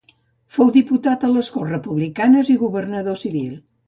Fou diputat a les Corts Republicanes i governador civil.